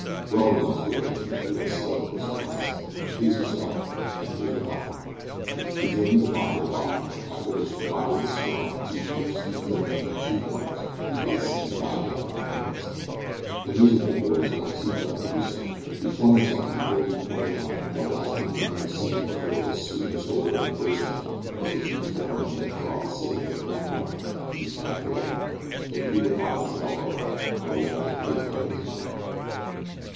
"Well, youngster," returned Ned, with a slight look of surprise, "please yourself, and here's your health." He drained the pot to the bottom, after which, dividing his straw into two heaps, and throwing them into two corners, he bade Sam lie down and rest. The miserable boy was only too glad to do so. He flung himself on the little heap pointed out, and the last thing he remembered seeing before the "sweet restorer" embraced him was the huge form of Ned Frog sitting in his own corner with his back to the wall, the pewter pot at his elbow, and a long clay pipe in his mouth.